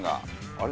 あれ？